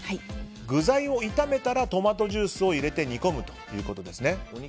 具材を炒めたらトマトジュースを入れて煮込むんですね。